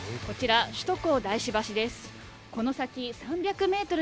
こちら首都高大師橋です。